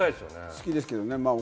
好きですけれどもね。